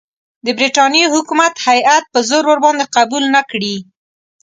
د برټانیې حکومت هیات په زور ورباندې قبول نه کړي.